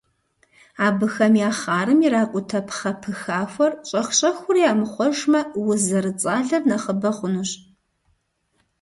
Абыхэм я хъарым иракӏутэ пхъэ пыхахуэр щӏэх-щӏэхыурэ ямыхъуэжмэ, уз зэрыцӏалэр нэхъыбэ хъунущ.